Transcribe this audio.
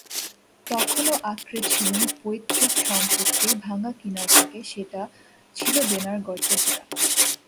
তখনও আঁকড়ে ছিলুম পৈতৃক সম্পত্তির ভাঙা কিনারটাকে সেটা ছিল দেনার গর্তে ভরা।